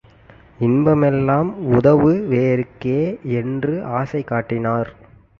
இன்ப மெல்லாம் உதவு வோர்க்கே என்றும் ஆசை காட்டினர்.